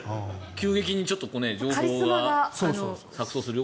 急激に情報が錯そうするよ。